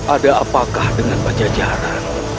ada apakah dengan majajaran